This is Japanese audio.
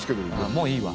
もういいわ。